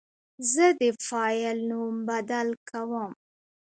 زه د فایل نوم بدل کوم.